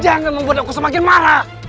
jangan membuat aku semakin marah